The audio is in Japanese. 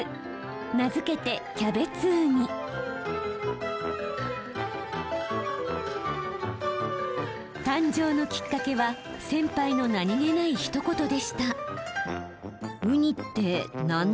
名付けて誕生のきっかけは先輩の何気ないひと言でした。